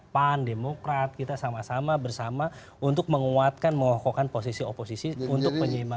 pandemokrat kita sama sama bersama untuk menguatkan menghokokkan posisi oposisi untuk penyihiman